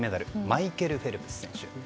マイケル・フェルプス選手。